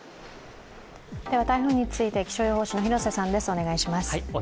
台風について気象予報士の広瀬さんです、お願いします。